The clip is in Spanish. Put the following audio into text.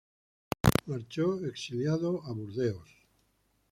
Marchó exiliado a Burdeos.